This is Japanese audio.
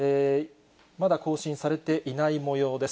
まだ更新されていないもようです。